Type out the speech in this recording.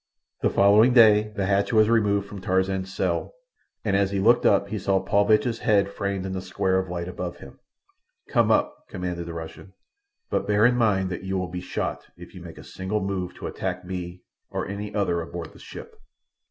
The following day the hatch was removed from Tarzan's cell, and as he looked up he saw Paulvitch's head framed in the square of light above him. "Come up," commanded the Russian. "But bear in mind that you will be shot if you make a single move to attack me or any other aboard the ship."